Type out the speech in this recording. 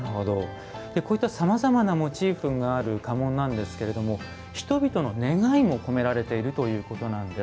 こういったさまざまなモチーフがある家紋なんですけども人々の願いも込められているということです。